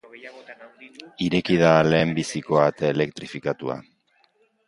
Ireki da lehenbiziko ate elektrifikatua.